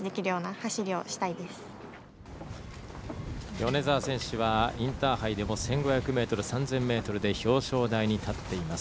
米澤選手はインターハイでも１５００ｍ、３０００ｍで表彰台に立っています。